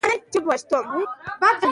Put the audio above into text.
استرداد قانوني جګړه وه.